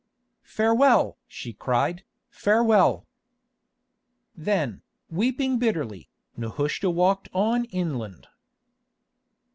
"Farewell!" she cried, "farewell!" Then, weeping bitterly, Nehushta walked on inland.